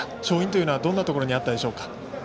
勝因というのはどんなところにあったでしょうか。